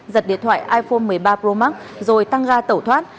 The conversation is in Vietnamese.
giật điện thoại iphone một mươi ba pro max rồi tăng ga tẩu thoát